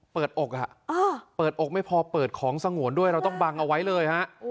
อกเปิดอกไม่พอเปิดของสงวนด้วยเราต้องบังเอาไว้เลยฮะ